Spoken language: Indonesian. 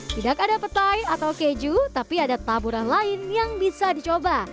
tidak ada petai atau keju tapi ada taburan lain yang bisa dicoba